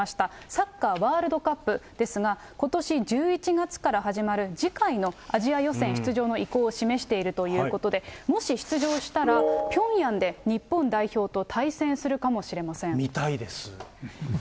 サッカーワールドカップですが、ことし１１月から始まる次回のアジア予選出場の意向を示しているということで、もし出場したら、ピョンヤンで日本代表と対戦する見たいです。